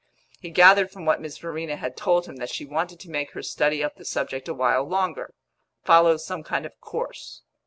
He gathered from what Miss Verena had told him that she wanted to make her study up the subject a while longer follow some kind of course.